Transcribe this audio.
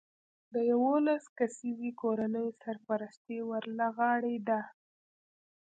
د یولس کسیزې کورنۍ سرپرستي ور له غاړې ده